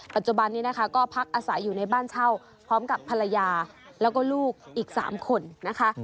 ปัจจุบันนี้นะคะก็พักอาศัยอยู่ในบ้านเช่าพร้อมกับภรรยาแล้วก็ลูกอีก๓คนนะคะ